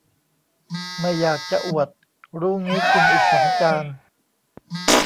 ไม่อยากจะอวด รู้งี้กินอีกสองจาน